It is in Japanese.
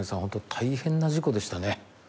ホント大変な事故でしたね